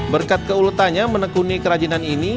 berkat keulutannya menekuni kerajinan ini